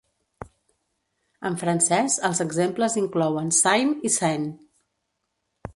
En francès, els exemples inclouen "sain" i "saint".